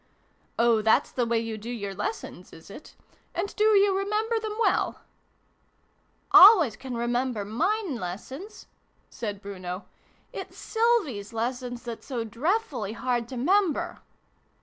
" Oh, thafs the way you do your lessons, is it ? And do you remember them well ?"" Always can 'member mine lessons," said Bruno. " It's Sylvie s lessons that's so dreffully hard to 'member